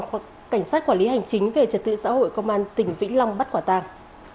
đã bị phòng cảnh sát quản lý hành chính về trật tự xã hội công an tỉnh vĩnh long bắt quả tăng